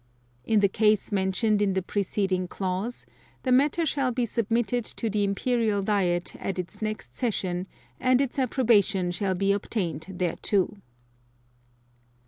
(2) In the case mentioned in the preceding clause, the matter shall be submitted to the Imperial Diet at its next session, and its approbation shall be obtained thereto.